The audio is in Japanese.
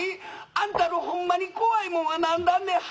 あんたのホンマに怖いもんは何だんねん」。